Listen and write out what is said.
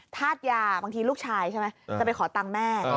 ธาตุยาบางทีลูกชายใช่ไหมจะไปขอตังค์แม่